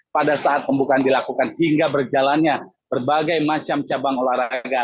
pada saat pembukaan dilakukan hingga berjalannya berbagai macam cabang olahraga